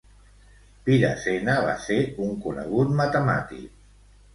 Virasena vas ser un conegut matemàtic.